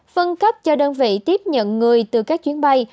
phân cấp cho đơn vị tiếp nhận người từ các chuyến bay